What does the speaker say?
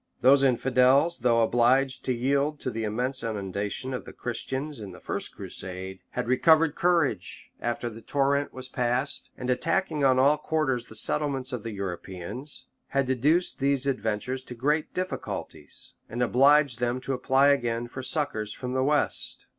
Those infidels, though obliged to yield to the immense inundation of Christians in the first crusade, had recovered courage after the torrent was past; and attacking on all quarters the settlements of the Europeans, had Deduced these adventurers to great difficulties, and obliged them to apply again for succors from the west.